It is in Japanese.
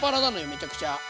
めちゃくちゃ。